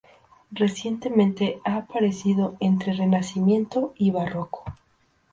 Recientemente ha aparecido "Entre Renacimiento y Barroco.